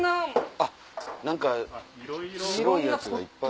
あっ何かすごいやつがいっぱい。